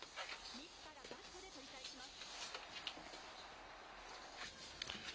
みずからバットで取り返します。